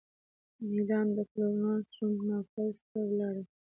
مېلان فلورانس روم ناپلز ته ولاړم.